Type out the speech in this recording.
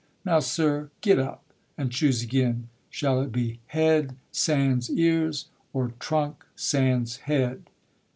Now sir, get up! And choose again: shall it be head sans ears, Or trunk sans head?